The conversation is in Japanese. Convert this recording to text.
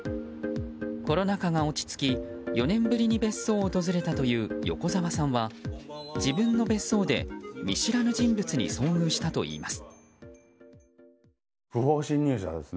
コロナ禍が落ち着き４年ぶりに別荘を訪れたという横澤さんは自分の別荘で見知らぬ人物に遭遇したといいます。